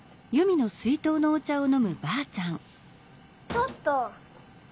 ちょっと！